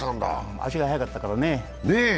足が速かったからね。